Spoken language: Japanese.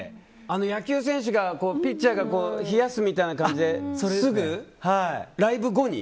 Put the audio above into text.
野球選手がピッチャーが冷やすみたいな感じでライブ後に？